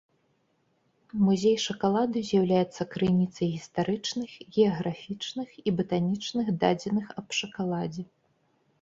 Музей шакаладу з'яўляецца крыніцай гістарычных, геаграфічных і батанічных дадзеных аб шакаладзе.